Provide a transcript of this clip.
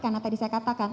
karena tadi saya katakan